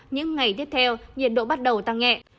những ngày tiếp theo nhiệt độ bắt đầu tăng nhẹ